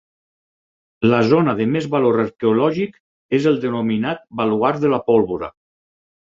La zona de més valor arqueològic és el denominat Baluard de la Pólvora.